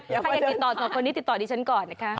ถ้าอยากติดต่อตัวคนนี้ติดต่อดิฉันก่อนนะคะ